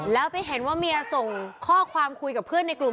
แล้วไปเห็นว่าเมียส่งข้อความคุยกับเพื่อนในกลุ่ม